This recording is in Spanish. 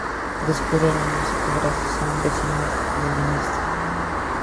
Descubre la música gracias a un vecino violinista.